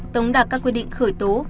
tống đạt các quy định khởi tố